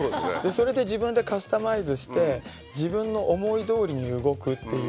それで自分でカスタマイズして自分の思いどおりに動くっていう。